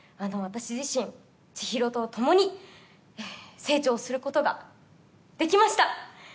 私自身千尋と共に成長することができました